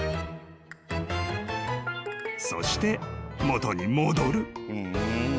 ［そして元に戻る］